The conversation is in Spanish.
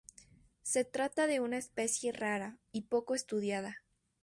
Se trata de una especie rara y poco estudiada.